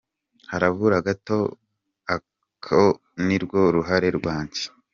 Harabura gato, ako nirwo ruhare rwanjye.”